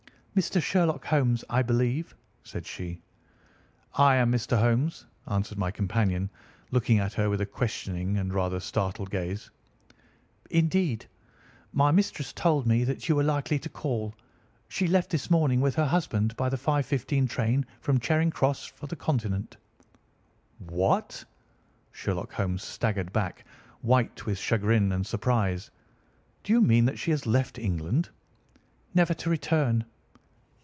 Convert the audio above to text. "Mr. Sherlock Holmes, I believe?" said she. "I am Mr. Holmes," answered my companion, looking at her with a questioning and rather startled gaze. "Indeed! My mistress told me that you were likely to call. She left this morning with her husband by the 5:15 train from Charing Cross for the Continent." "What!" Sherlock Holmes staggered back, white with chagrin and surprise. "Do you mean that she has left England?" "Never to return."